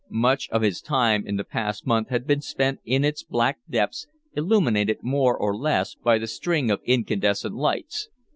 Much of his time in the past month had been spent in its black depths, illuminated, more or less, by the string of incandescent lights.